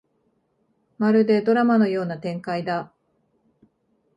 まるでドラマのような展開だ